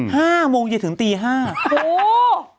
ห้าโมงเย็นถึงตีห้าโอ้โห